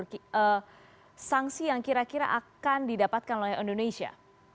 dan apa saksi yang kira kira akan didapatkan oleh indonesia